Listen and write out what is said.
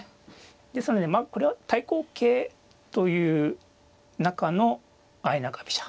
ですのでまあこれは対抗型という中の相中飛車。